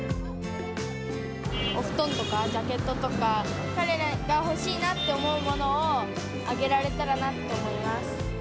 おふとんとか、ジャケットとか、彼らが欲しいなって思うものを、あげられたらなって思います。